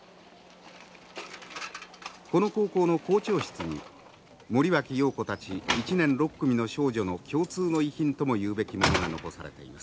この高校の校長室に森脇瑤子たち１年６組の少女の共通の遺品ともいうべきものが残されています。